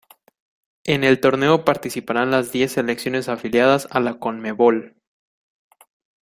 En el torneo participarán las diez selecciones afiliadas a la Conmebol.